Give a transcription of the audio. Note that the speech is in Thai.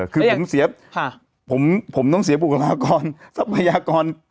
คือผมต้องเสียบุคลากรทรัพยากร